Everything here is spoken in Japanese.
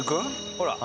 ほら。